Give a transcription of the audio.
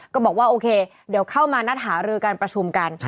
ก็บอกว่าโอเคเดี๋ยวเข้ามานัดหารือการประชุมกัน